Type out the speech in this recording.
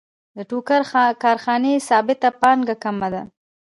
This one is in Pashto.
د ټوکر کارخانې ثابته پانګه کمه ده